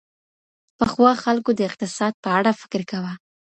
پخوا خلګو د اقتصاد په اړه فکر کاوه.